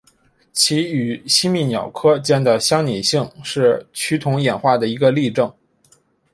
其与吸蜜鸟科间的相拟性是趋同演化的一个例证。